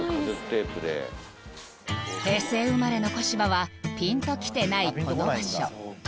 平成生まれの小芝はピンときてないこの場所